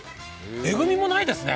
えぐみもないですね。